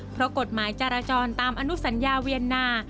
เพราะกฎหมายจราจรตามอนุสัญญาเวียนนา